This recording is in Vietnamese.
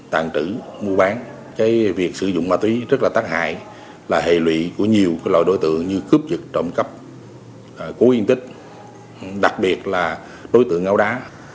tàn trữ mua bán việc sử dụng ma túy rất là tác hại là hệ lụy của nhiều loại đối tượng như cướp dựt trộm cắp cố yên tích đặc biệt là đối tượng áo đá